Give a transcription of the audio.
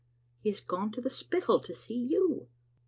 " He has gone to the Spittal to see you."